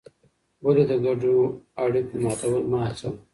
ولې د ګډو اړیکو ماتول مه هڅوې؟